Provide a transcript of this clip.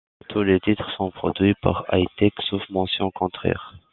Tous les titres sont produits par Hi-Tek, sauf mention contraire.